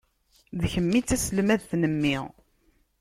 D kemm i d taselmadt n mmi.